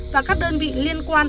và các đơn vị liên quan